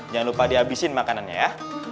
jangan lupa dihabisin makanannya ya